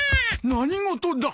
何事だ？